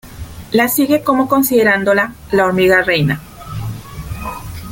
La sigue como considerándola la "hormiga reina".